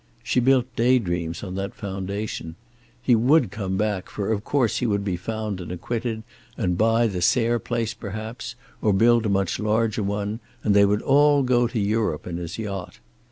She built day dreams on that foundation. He would come back, for of course he would be found and acquitted, and buy the Sayre place perhaps, or build a much larger one, and they would all go to Europe in his yacht.